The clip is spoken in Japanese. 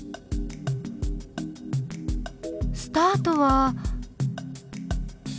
スタートは。